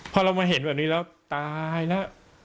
พอเรามาเห็นแบบนี้แล้วตายแล้ว